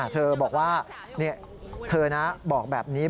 เธอบอกว่าเธอนะบอกแบบนี้